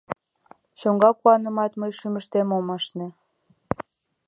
Чаҥга куанымат мый шӱмыштем ом ашне.